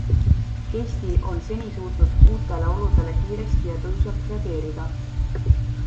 Eesti on seni suutnud uutele oludele kiiresti ja tõhusalt reageerida.